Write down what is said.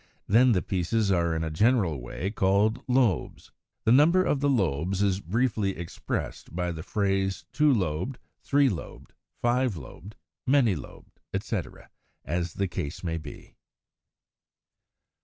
Then the pieces are in a general way called LOBES. The number of the lobes is briefly expressed by the phrase two lobed, three lobed, five lobed, many lobed, etc., as the case may be.